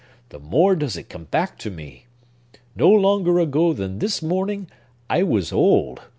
—the more does it come back to me. No longer ago than this morning, I was old.